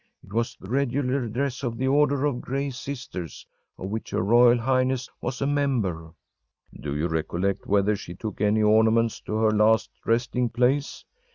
It was the regular dress of the Order of Gray Sisters, of which her royal highness was a member.‚ÄĚ “Do you recollect whether she took any ornaments to her last resting place?